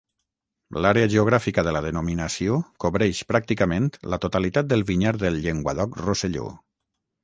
L'àrea geogràfica de la denominació cobreix pràcticament la totalitat del vinyar del Llenguadoc-Rosselló.